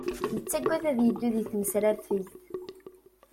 Yettaggad ad yeddu di tmesrafegt